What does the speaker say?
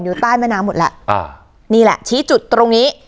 แล้วก็ไปซ่อนไว้ในคานหลังคาของโรงรถอีกทีนึง